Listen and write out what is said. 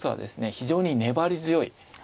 非常に粘り強い。